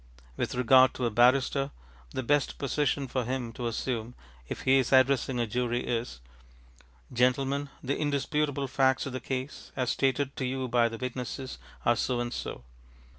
With regard to a barrister, the best position for him to assume, if he is addressing a jury, is, ŌĆ£Gentlemen, the indisputable facts of the case, as stated to you by the witnesses, are so and so.